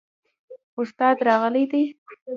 استاد راغلی دی؟